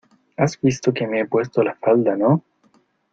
¿ has visto que me he puesto la falda, no?